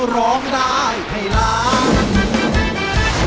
ร้องได้ให้ล้าน